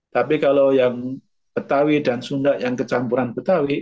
tapi kalau yang betawi dan sunda yang kecampuran betawi